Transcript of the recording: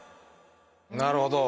なるほど。